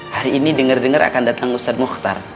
hari ini denger dengar akan datang ustadzah muhtar